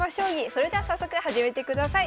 それでは早速始めてください。